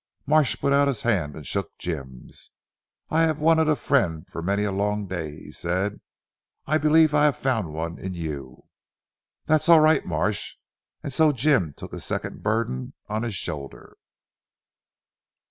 Marsh put out his hand and shook Jim's. "I have wanted a friend for many a long day," he said. "I believe I have found one in you." "That's all right Marsh," and so Jim took a second burden on his shoulder.